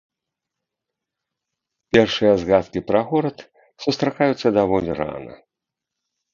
Першыя згадкі пра горад сустракаюцца даволі рана.